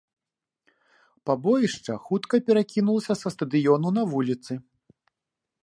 Пабоішча хутка перакінулася са стадыёну на вуліцы.